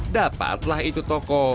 dapatlah itu toko